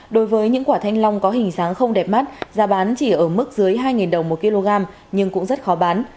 đối với những quả thanh long có hình dáng không đẹp mắt giá bán chỉ ở mức dưới hai đồng một kg nhưng cũng rất khó bán